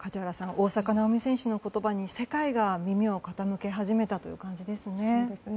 大坂なおみ選手の言葉に世界が耳を傾け始めたという感じですね。